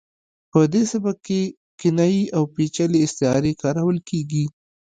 په دې سبک کې کنایې او پیچلې استعارې کارول کیږي